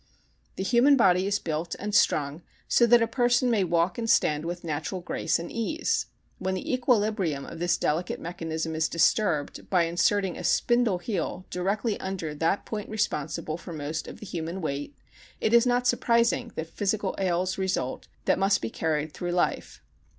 The human body is built and strung so that a person may walk and stand with natural grace and ease. When the equilibrium of this delicate mechanism is disturbed by inserting a spindle heel directly under that point responsible for most of the human weight, it is not surprising that physical ails result that must be carried through life.